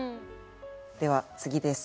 では次です。